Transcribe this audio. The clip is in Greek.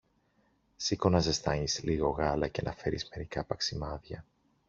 Σήκω να ζεστάνεις λίγο γάλα και να φέρεις μερικά παξιμάδια.